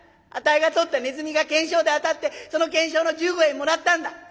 あたいが捕ったネズミが懸賞で当たってその懸賞の１５円もらったんだ。